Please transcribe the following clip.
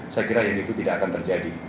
saya kira yang itu tidak akan terjadi